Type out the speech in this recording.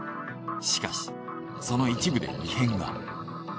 しかしその一部で異変が。